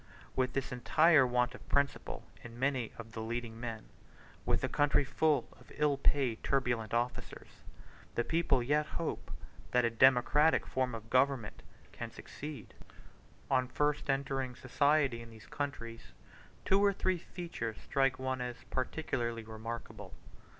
With this entire want of principle in many of the leading men, with the country full of ill paid turbulent officers, the people yet hope that a democratic form of government can succeed! On first entering society in these countries, two or three features strike one as particularly remarkable.